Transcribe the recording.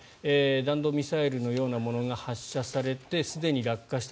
弾道ミサイルのようなものが発射されて、すでに落下した。